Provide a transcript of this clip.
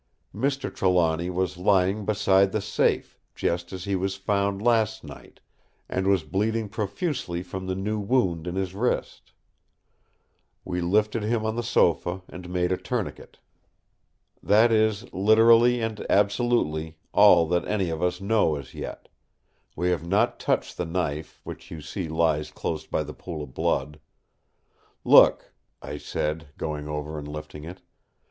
Mr. Trelawny was lying beside the safe, just as he was found last night; and was bleeding profusely from the new wound in his wrist. We lifted him on the sofa, and made a tourniquet. That is, literally and absolutely, all that any of us know as yet. We have not touched the knife, which you see lies close by the pool of blood. Look!" I said, going over and lifting it.